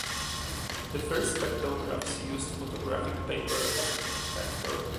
The first spectrographs used photographic paper as the detector.